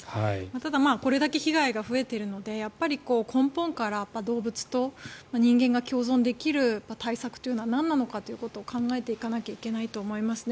ただこれだけ被害が増えているので根本から動物と人間が共存できる対策というのはなんなのかを考えていかなきゃいけないと思いますね。